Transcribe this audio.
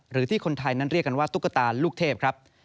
หรือที่คนไทยนั้นเรียกกันว่าตุ๊กตาลูกเทพครับ